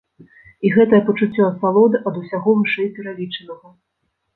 І гэтае пачуццё асалоды ад усяго вышэйпералічанага.